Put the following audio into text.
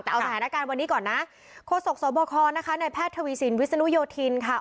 แต่เอาสถานการณ์วันนี้ก่อนนะโฆษกสบคนะคะในแพทย์ทวีสินวิศนุโยธินค่ะ